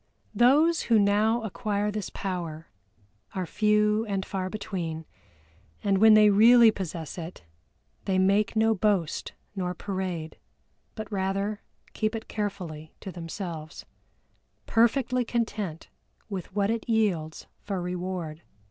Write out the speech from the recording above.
Those who now acquire this power are few and far between, and when they really possess it they make no boast nor parade, but rather keep it carefully to themselves, perfectly content with what it yields for reward.